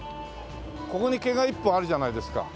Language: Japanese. ここに毛が一本あるじゃないですか。